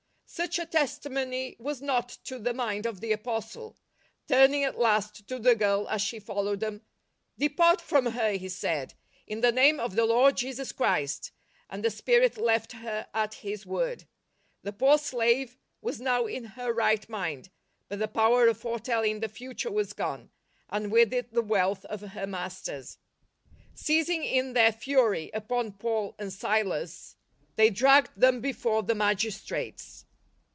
Such a testimonj^ W'as not to the mind of the Apostle. Turning at last to the girl as she followed them, " Depart from her," he said, " in the name of the Lord Jesus Christ," and the spirit left her at his word. The poor slave was now in her right mind, but the power of foretelling the future was gone, and with it the wealth of her masters. Seizing in their fur}' upon Paul and Silas, they dragged them before the magistrates.